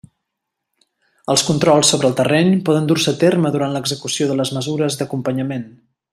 Els controls sobre el terreny poden dur-se a terme durant l'execució de les mesures d'acompanyament.